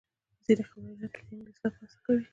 ځینې خبریالان د ټولنې د اصلاح هڅه کوي.